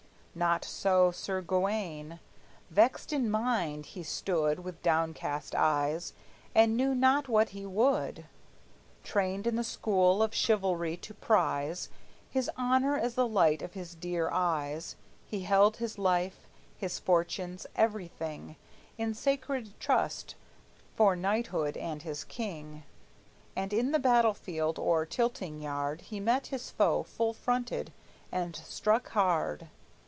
Not so Sir Gawayne. Vexed in mind he stood With downcast eyes, and knew not what he would. Trained in the school of chivalry to prize His honor as the light of his dear eyes, He held his life, his fortunes, everything, In sacred trust for knighthood and his king, And in the battle field or tilting yard He met his foe full fronted, and struck hard.